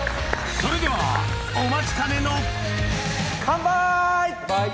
それではお待ちかねのカンパイ！